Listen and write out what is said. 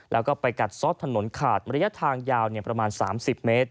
แล้วก็ไปกัดซอสถนนขาดระยะทางยาวประมาณ๓๐เมตร